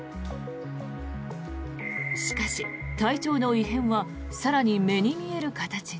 しかし、体調の異変は更に目に見える形に。